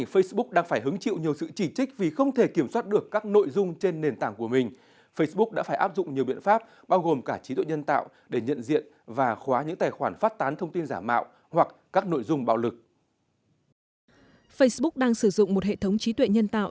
facebook đang sử dụng một hệ thống trí tuệ nhân tạo